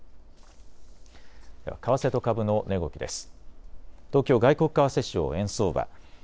為替と株の値動きです。